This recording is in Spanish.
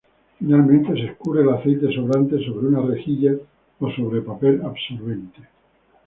Finalmente se escurre el aceite sobrante sobre una rejilla o sobre papel absorbente.